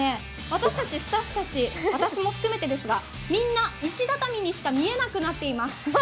私たちスタッフたち、私も含めてですが、みんな石畳にしか見えなくなっています。